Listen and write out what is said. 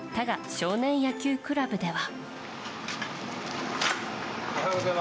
少年野球クラブでは。